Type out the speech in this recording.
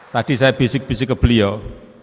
tadi saya bisik bisik ke beliau